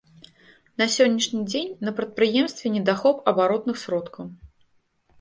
На сённяшні дзень на прадпрыемстве недахоп абаротных сродкаў.